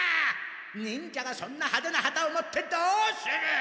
忍者がそんなハデな旗を持ってどうする！